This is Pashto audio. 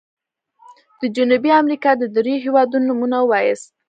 د جنوبي امريکا د دریو هيوادونو نومونه ووایاست.